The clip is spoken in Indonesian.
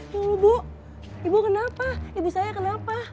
ya allah bu ibu kenapa ibu saya kenapa